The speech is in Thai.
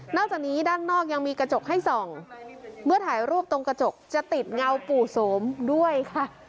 จากนี้ด้านนอกยังมีกระจกให้ส่องเมื่อถ่ายรูปตรงกระจกจะติดเงาปู่โสมด้วยค่ะ